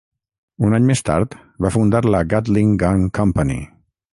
Un any més tard, va fundar la Gatling Gun Company.